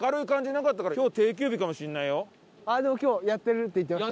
あっでも今日やってるって言ってました。